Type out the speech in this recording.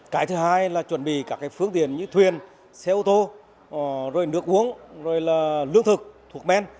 cái thứ hai là chuẩn bị các phương tiện như thuyền xe ô tô nước uống lương thực thuộc men